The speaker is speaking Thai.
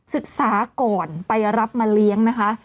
ศึกษาก่อนไปรับมาเลี้ยงนะคะ